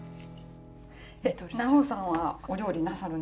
奈央さんはお料理なさるんですか？